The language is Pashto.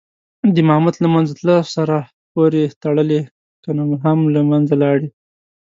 د ماموت له منځه تلو سره پورې تړلي کنې هم له منځه لاړې.